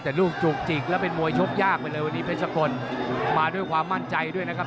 แต่ลูกจุกจิกแล้วเป็นมวยชกยากไปเลยวันนี้เพชรสกลมาด้วยความมั่นใจด้วยนะครับ